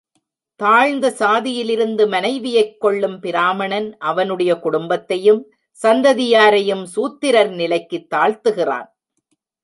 தாழ்ந்த சாதியிலிருந்து மனைவியைக் கொள்ளும் பிராமணன் அவனுடைய குடும்பத்தையும் சந்ததியாரையும் சூத்திரர் நிலைக்குத் தாழ்த்துகிறான்.